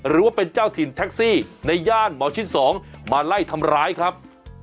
หรือว่าเป็นเจ้าถิ่นแท็กซี่ในย่านหมอชิด๒มาไล่ทำร้ายครับ